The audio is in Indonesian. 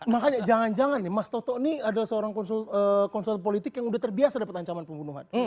makanya jangan jangan nih mas toto ini adalah seorang konsultan politik yang sudah terbiasa dapat ancaman pembunuhan